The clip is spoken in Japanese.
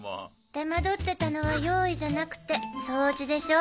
手間取ってたのは用意じゃなくて掃除でしょ？